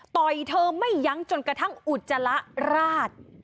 เธอไม่ยั้งจนกระทั่งอุจจาระราด